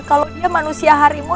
kalau dia manusia harimau